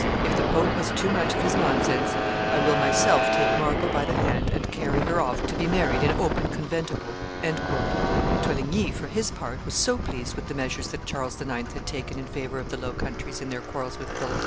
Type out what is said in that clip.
If the pope has too much of his nonsense, I will myself take Margot by the hand and carry her off to be married in open conventicle." Toligny, for his part, was so pleased with the measures that Charles IX. had taken in favor of the Low Countries in their quarrels with Philip II.